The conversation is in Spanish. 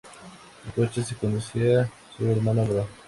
El coche lo conducía su hermano Álvaro.